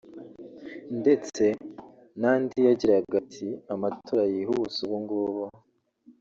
" ndetse n’andi yagiraga ati "Amatora yihuse ubu ngubu